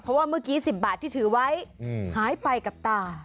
เพราะว่าเมื่อกี้๑๐บาทที่ถือไว้หายไปกับตา